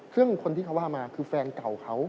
ซึ่งคนที่เขาว่ามาคือแฟนเก่าเขา